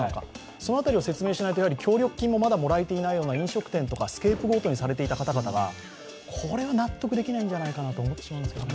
その辺りを説明しないと協力金をもらえてないような飲食店とかスケープゴートにされていた方々はこれは納得できないんじゃないかと思ってしまうんですけどね。